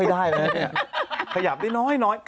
แผ่นดินไหวยังคะแผ่นดินไหวยังคะ